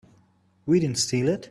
We didn't steal it.